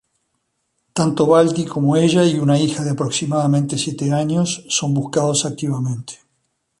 Tanto Baldi, como ella y una hija de aproximadamente siete años son buscados activamente".